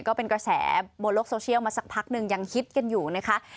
ก็เป็นกระแสบนโลกโซเชียลมาสักพักหนึ่งยังฮิตกันอยู่นะคะ